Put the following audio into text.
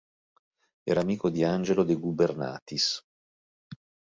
Era amico di Angelo de Gubernatis.